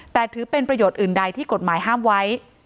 แต่ถือเป็นประโยชน์อื่นใดที่กฎหมายห้ามไว้